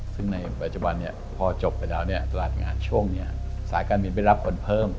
ซึ่งในปัจจุบันพอจบไปแล้วตลาดงานช่วงนี้สายการบินไปรับคนเพิ่ม